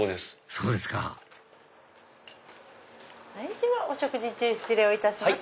そうですかお食事中失礼をいたします